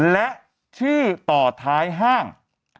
และชื่อต่อท้ายห้าง